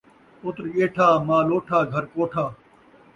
پُتر ڄیٹھا، مال اوٹھا، گھر کوٹھا